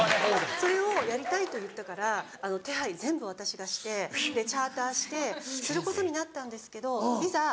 それをやりたいと言ったから手配全部私がしてチャーターしてすることになったんですけどいざ